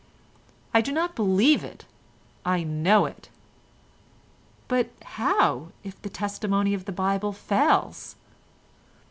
"I do not believe it, I know it." "But how—if the testimony of the Bible fails?"